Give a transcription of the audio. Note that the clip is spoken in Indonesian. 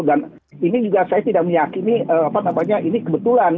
dan ini juga saya tidak meyakini ini kebetulan